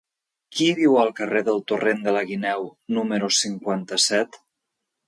Qui viu al carrer del Torrent de la Guineu número cinquanta-set?